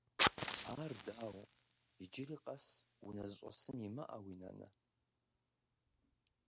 Ар дауэ, иджыри къэс унэ зыщӏэсын имыӏэуи, нанэ?